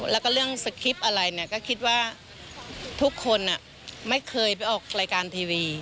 แล้วก็เรื่องสคริปต์อะไรเนี่ยก็คิดว่าทุกคนไม่เคยไปออกรายการทีวี